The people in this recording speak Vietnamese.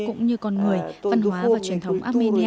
cũng như con người văn hóa và truyền thống armenia